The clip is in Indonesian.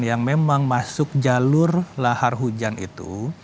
yang memang masuk jalur lahar hujan itu